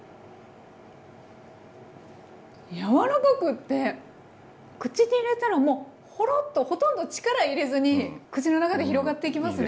柔らかくって口に入れたらもうホロッとほとんど力入れずに口の中で広がっていきますね。